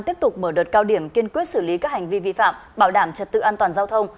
tiếp tục mở đợt cao điểm kiên quyết xử lý các hành vi vi phạm bảo đảm trật tự an toàn giao thông